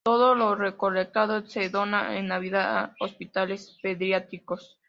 Todo lo recolectado se dona en Navidad a hospitales pediátricos.